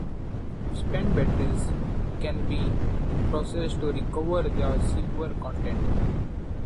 Spent batteries can be processed to recover their silver content.